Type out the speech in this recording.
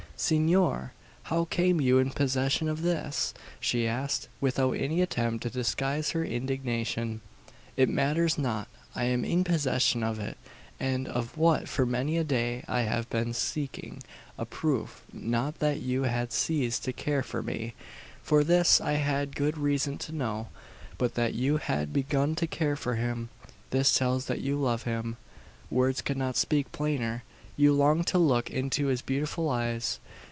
"Senor! how came you in possession of this?" she asked, without any attempt to disguise her indignation. "It matters not. I am in possession of it, and of what for many a day I have been seeking; a proof, not that you had ceased to care for me for this I had good reason to know but that you had begun to care for him. This tells that you love him words could not speak plainer. You long to look into his beautiful eyes.